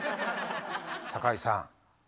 「酒井さん